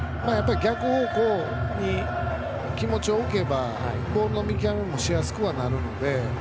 逆方向に気持ちを置けばボールの見極めもしやすくなりますね。